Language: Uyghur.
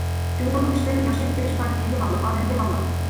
جۇڭگونىڭ ئىشلىرىنى ياخشى بېجىرىش پارتىيەگە باغلىق، ئادەمگە باغلىق.